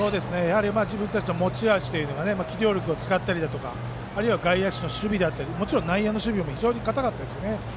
自分たちの持ち味とか機動力を使ったりとかあるいは外野手の守備だったりもちろん内野の守備も堅かったです。